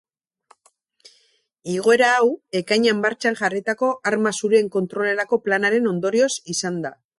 Igoera hau ekainean martxan jarritako arma zurien kontrolerako planaren ondorioz izan da.